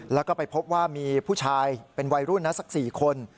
แล้วก็ไปพบว่ามีผู้ชายเป็นวัยรุ่นนะสัก๔คน